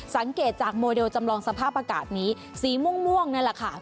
สังเกตจากโมเดลจำลองสภาพอากาศนี้สีม่วงนั่นแหละค่ะ